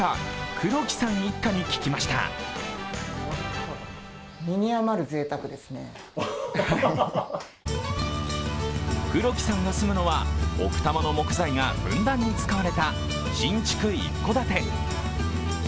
黒木さんが住むのは、奥多摩の木材がふんだんに使われた新築一戸建て。